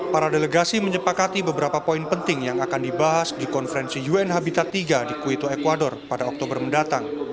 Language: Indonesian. para delegasi menyepakati beberapa poin penting yang akan dibahas di konferensi un habitat iii di quito ecuador pada oktober mendatang